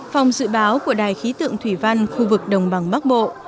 phòng dự báo của đài khí tượng thủy văn khu vực đồng bằng bắc bộ